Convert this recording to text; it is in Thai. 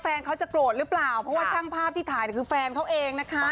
แฟนเขาจะโกรธหรือเปล่าเพราะว่าช่างภาพที่ถ่ายคือแฟนเขาเองนะคะ